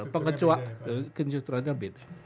pengecualian juga mungkin di jakarta